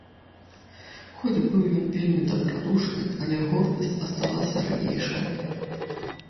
Хоць быў ён вельмі дабрадушны, але гордасць асталася ранейшая.